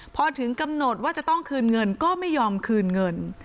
พอถึงกำหนดว่าจะต้องคืนเงินก็ไม่ยอมคืนเงิน